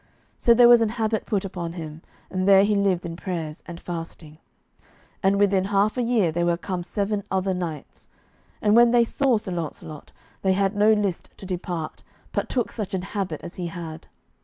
So there was an habit put upon him, and there he lived in prayers and fasting. And within half a year there were come seven other knights, and when they saw Sir Launcelot, they had no list to depart, but took such an habit as he had.